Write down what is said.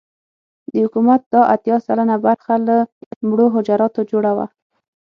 د حکومت دا اتيا سلنه برخه له مړو حجراتو جوړه وه.